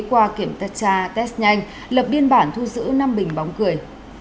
qua kiểm tra test nhanh lập biên bản thu giữ năm bình bóng cười